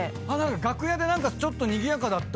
楽屋でちょっとにぎやかだった。